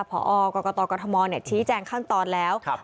พกกษมณฑ์ชี้แจงขั้นตอนแล้ว